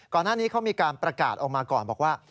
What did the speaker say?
ก่อนหน้านี้เขามีการประกาศออกมาก่อนบอกว่า